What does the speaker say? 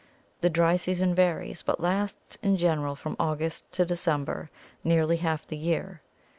The dry season varies, but lasts in general from August to December, nearly half the year.